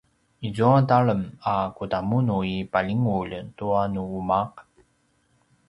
izua talem a kudamunu i palingulj tua nu umaq?